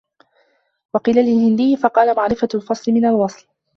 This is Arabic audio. وَقِيلَ لِلْهِنْدِيِّ فَقَالَ مَعْرِفَةُ الْفَصْلِ مِنْ الْوَصْلِ